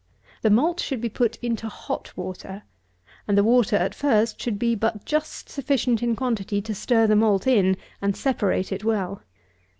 The malt should be put into hot water, and the water, at first, should be but just sufficient in quantity to stir the malt in, and separate it well.